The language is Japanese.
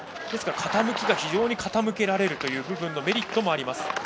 ですから、傾きが非常に傾けられるというメリットもあります。